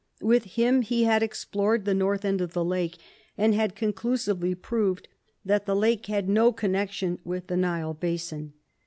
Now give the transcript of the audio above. With him he had explored the north end of the lake, and had conclusively proved that the lake had no connection with the Nile basin.